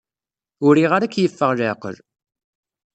Ur riɣ ara ad k-yeffeɣ leɛqel.